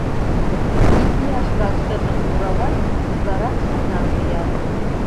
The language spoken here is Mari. ИКИЯШЛАН ШЫЖЫМ КУРАЛАТ — УТЛАРАК ШУРНАН ЛИЯТ